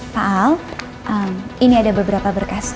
pak al ini ada beberapa berkas